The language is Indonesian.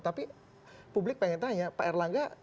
tapi publik pengen tanya pak erlangga